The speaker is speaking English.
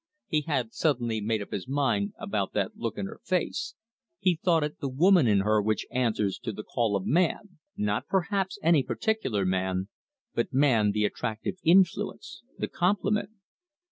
He had suddenly made up his mind about that look in her face he thought it the woman in her which answers to the call of man, not perhaps any particular man, but man the attractive influence, the complement.